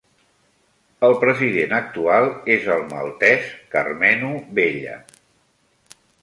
El president actual és el maltès Karmenu Vella.